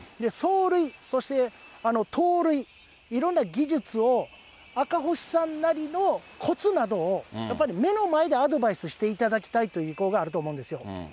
走塁、そして盗塁、いろんな技術を、赤星さんなりのこつなどを、やっぱり目の前でアドバイスしていただきたいという意向があると思うんです。